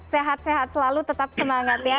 sehat sehat selalu tetap semangat ya